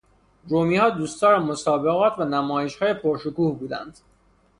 رومیها دوستدار مسابقات و نمایشهای پر شکوه بودند.